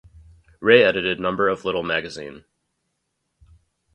Ray edited number of little magazine.